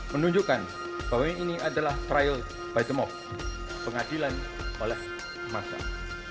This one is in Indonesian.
menunjukkan bahwa ini adalah trial by the mock pengadilan oleh masa